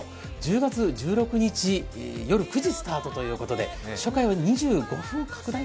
１０月１６日夜９時スタートということで初回は２５分拡大